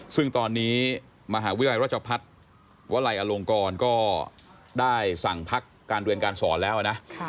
ซึ่งตอนนี้มหาวิทยาลัยราชพัฒน์วลัยอลงกรก็ได้สั่งพักการเรียนการสอนแล้วนะ